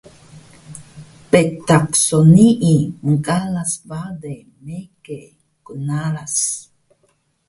betaq so nii mqaras bale mege qnaras